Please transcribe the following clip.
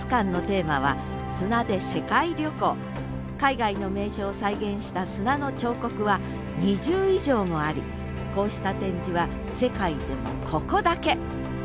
海外の名所を再現した砂の彫刻は２０以上もありこうした展示は世界でもここだけ！